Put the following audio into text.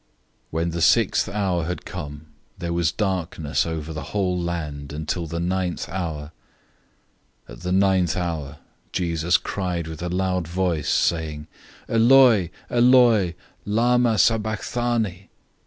015:033 When the sixth hour{or, noon} had come, there was darkness over the whole land until the ninth hour.{3:00 PM} 015:034 At the ninth hour Jesus cried with a loud voice, saying, "Eloi, Eloi, lama sabachthani?"